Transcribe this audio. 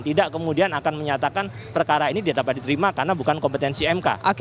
tidak kemudian akan menyatakan perkara ini tidak dapat diterima karena bukan kompetensi mk